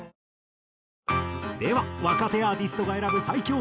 ＪＴでは若手アーティストが選ぶ最強